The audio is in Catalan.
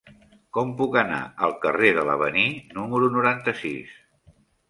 Com puc anar al carrer de l'Avenir número noranta-sis?